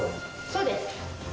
そうです。